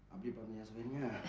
abdi pak niaswengnya